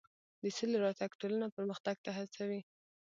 د سولې راتګ ټولنه پرمختګ ته هڅوي.